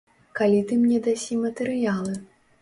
Калі ты мне дасі матэрыялы?